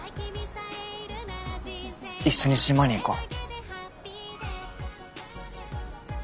一緒に島に行こう。